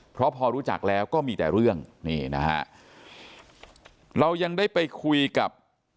เพราะพอรู้จักแล้วก็มีแต่เรื่องนี่นะฮะเรายังได้ไปคุยกับ